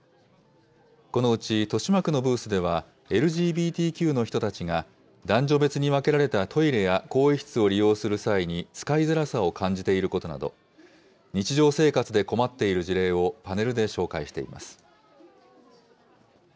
このうち豊島区のブースでは、ＬＧＢＴＱの人たちが、男女別に分けられたトイレや更衣室を利用する際に使いづらさを感じていることなど、日常生活で困っている事例をパネルで紹介しています。